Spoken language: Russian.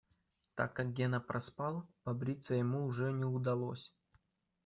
Так как Гена проспал, побриться ему уже не удалось.